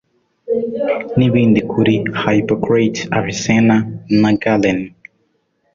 n'ibindi kuri Hippocrates Avicenna na Galen